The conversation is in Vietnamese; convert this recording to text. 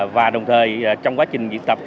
và đồng thời trong quá trình diễn tập